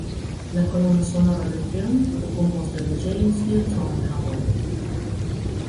La colonna sonora del film fu composta da James Newton Howard.